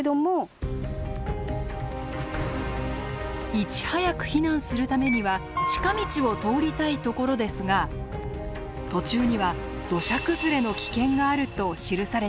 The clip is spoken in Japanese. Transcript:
いち早く避難するためには近道を通りたいところですが途中には土砂崩れの危険があると記されています。